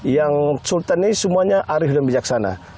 yang sultan ini semuanya arif dan bijaksana